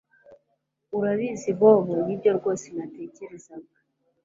Urabizi Bobo nibyo rwose natekerezaga